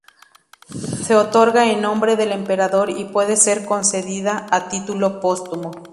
Se otorga en nombre del emperador y puede ser concedida a título póstumo.